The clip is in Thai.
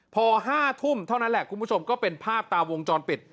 พอ๕ทุ่มเท่านั้นแหละคุณผู้ชมก็เป็นภาพตาวงจรปิด